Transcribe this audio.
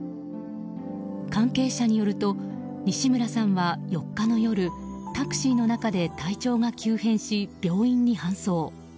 関係者によると西村さんは４日の夜タクシーの中で体調が急変し病院に搬送。